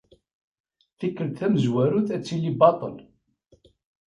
Tikelt tamezwarut ad tili baṭel.